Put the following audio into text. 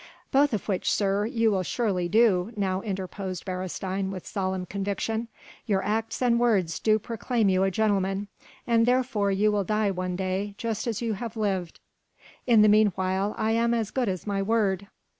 "Both of which, sir, you will surely do," now interposed Beresteyn with solemn conviction. "Your acts and words do proclaim you a gentleman, and therefore you will die one day, just as you have lived. In the meanwhile, I am as good as my word.